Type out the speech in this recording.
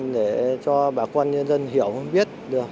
để cho bà con nhân dân hiểu biết